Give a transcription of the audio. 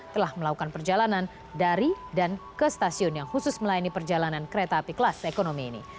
telah melakukan perjalanan dari dan ke stasiun yang khusus melayani perjalanan kereta api kelas ekonomi ini